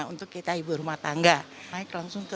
untuk kita ibu rumah tangga naik langsung ke tiga puluh dua